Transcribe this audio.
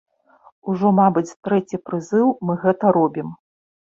Ужо мабыць трэці прызыў мы гэта робім.